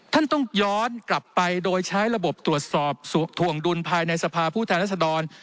ท่านต้องย้อนกลับไปโดยใช้ระบบตรวจสอบถวงดุลภายในสภาผู้แทนรัศดร